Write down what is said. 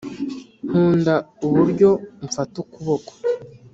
nkunda uburyo umfata ukuboko